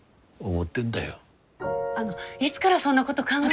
あのいつからそんなこと考えて。